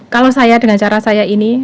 kalau saya dengan cara saya ini